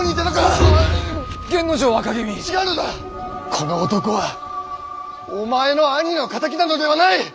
この男はお前の兄の敵などではない！